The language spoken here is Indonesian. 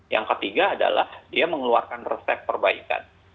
yang ketiga adalah dia mengeluarkan resep perbaikan